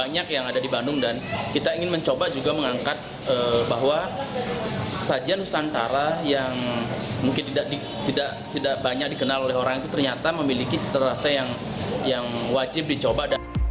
banyak yang ada di bandung dan kita ingin mencoba juga mengangkat bahwa sajian nusantara yang mungkin tidak banyak dikenal oleh orang itu ternyata memiliki cita rasa yang wajib dicoba